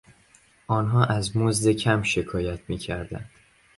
آنها از مزد کم شکایت میکردند.